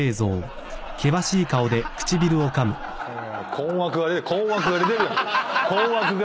困惑が困惑が出てるやん。